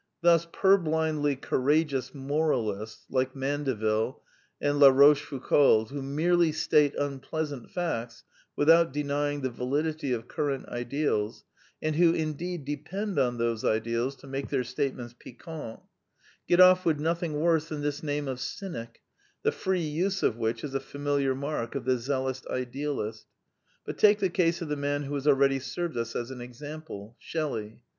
Thus, purblindly courageous moralists like Mandeville and Larochefoucauld, who merely state unpleasant facts without denying the validity of current ideals, and who indeed depend on those ideals to make their statements piquant, get off with nothing worse than this name of cynic, the free use of which is a familiar mark of the zealous idealist. But take the case of the man who has already served us as an example: Shelley.